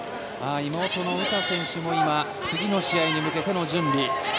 妹の詩選手も今、次の試合に向けての準備。